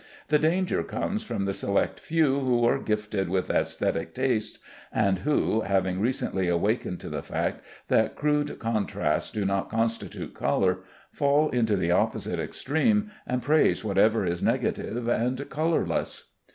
The danger comes from the select few who are gifted with æsthetic tastes, and who, having recently awakened to the fact that crude contrasts do not constitute color, fall into the opposite extreme, and praise whatever is negative and colorless.